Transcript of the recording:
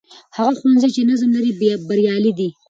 هغه ښوونځی چې نظم لري، بریالی دی.